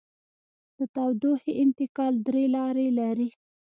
د تودوخې انتقال درې لارې لري.